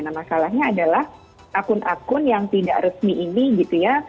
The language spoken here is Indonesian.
nah masalahnya adalah akun akun yang tidak resmi ini